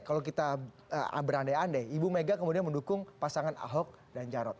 kalau kita berandai andai ibu mega kemudian mendukung pasangan ahok dan jarot